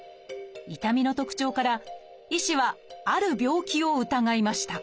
痛みの特徴から医師はある病気を疑いました。